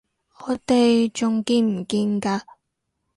我哋仲見唔見㗎？